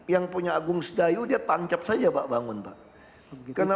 yang punya agung sedayu dia tancap saja pak bangun pak